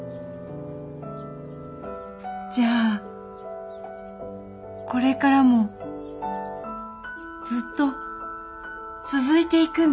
じゃあこれからもずっと続いていくんですね。